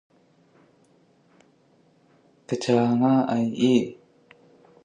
Pumpkinhead frees Dorothy, and they flee.